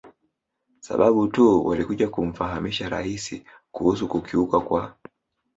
sababu tu walikuja kumfahamisha Rais kuhusu kukiukwa kwa